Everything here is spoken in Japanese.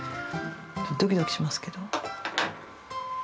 ドキドキしますけど。